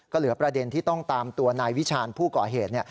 ก็เหลือประเด็นที่ต้องตามตัวนายวิชาญผู้ก่อเหตุ